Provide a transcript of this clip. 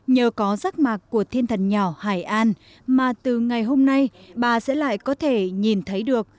nhờ có rác mạc của thiên thần nhỏ hải an mà từ ngày hôm nay bà sẽ lại có thể nhìn thấy được